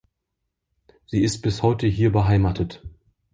Sie ist bis heute hier beheimatet.